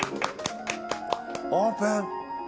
オープン！